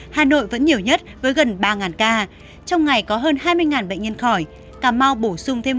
hà nội vẫn nhiều nhất với gần ba ca trong ngày có hơn hai mươi bệnh nhân khỏi cà mau bổ sung thêm năm ba trăm sáu mươi sáu f